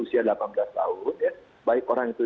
usia delapan belas tahun ya baik orang itu